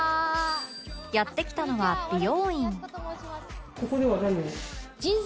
やって来たのは美容院